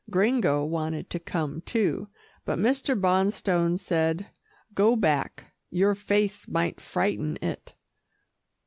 Gringo wanted to come too, but Mr. Bonstone said, "Go back, your face might frighten it."